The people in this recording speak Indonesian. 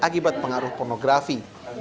sebab pengaruh pornografi